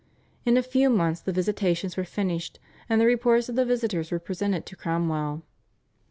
In a few months the visitations were finished, and the reports of the visitors were presented to Cromwell.